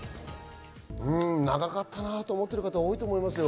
長かったなぁと思ってる方、多いと思いますよ。